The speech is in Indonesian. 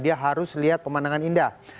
lihat pemandangan indah